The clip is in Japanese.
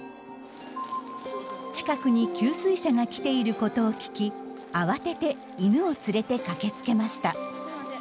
近くに給水車が来ていることを聞き慌てて犬を連れて駆けつけました。